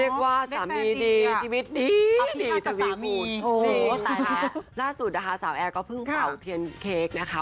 น่ารักเนอะเล็กแฟนดีอ่ะนี่แหละค่ะสาวแอร์ก็เพิ่งเปล่าเทียนเค้กนะคะ